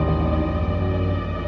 aku sudah berhenti